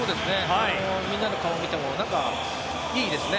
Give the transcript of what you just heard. みんなの顔を見てもなんかいいですね。